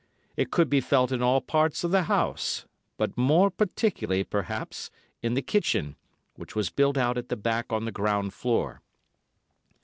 It could be felt in all parts of the house, but more particularly, perhaps, in the kitchen, which was built out at the back on the ground floor.